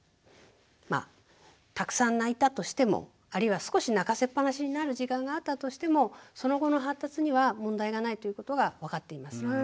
たくさん泣いたとしてもあるいは少し泣かせっぱなしになる時間があったとしてもその後の発達には問題がないということが分かっています。